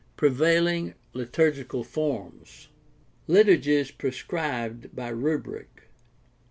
PREVAILING LITURGICAL FORMS Liturgies prescribed by rubric.